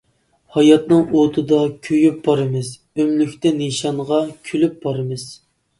ھاياتنىڭ ئوتىدا كۆيۈپ بارىمىز، ئۆملۈكتە نىشانغا كۈلۈپ بارىمىز.